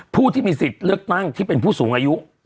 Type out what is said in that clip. ผู้ที่มีสิทธิ์เลือกตั้งที่เป็นผู้สูงอายุ